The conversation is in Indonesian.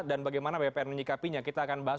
dan bagaimana bpn menyikapinya kita akan bahas